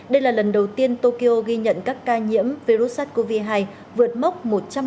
đây là lần đầu tiên tokyo ghi nhận các ca nhiễm virus sát covid hai vượt mốc tổng hợp